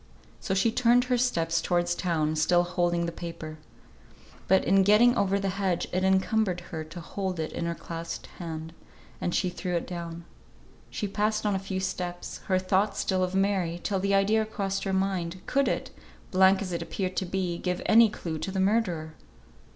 So she turned her steps towards town, still holding the paper. But in getting over the hedge it encumbered her to hold it in her clasped hand, and she threw it down. She passed on a few steps, her thoughts still of Mary, till the idea crossed her mind, could it (blank as it appeared to be) give any clue to the murderer?